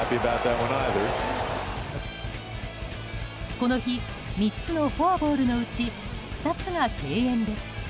この日３つのフォアボールのうち２つが敬遠です。